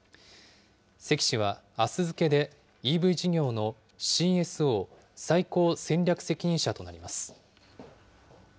関氏はあす付けで、ＥＶ事業のＣＳＯ・最高戦略責任者となります。